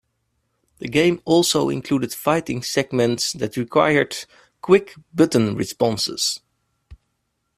The game also included fighting segments that required quick button responses.